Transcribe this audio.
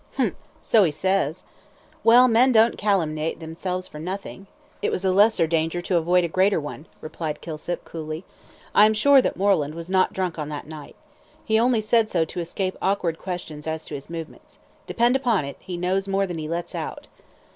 "Humph so he says." "Well, men don't calumniate themselves for nothing." "It was a lesser danger to avert a greater one," replied Kilsip, coolly. "I am sure that Moreland was not drunk on that night. He only said so to escape awkward questions as to his movements. Depend upon it he knows more than he lets out."